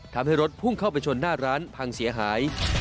ทำให้รถพุ่งเข้าไปชนหน้าร้านพังเสียหาย